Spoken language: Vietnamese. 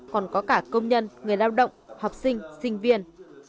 còn có cả công nhân người lao động học sinh sinh viên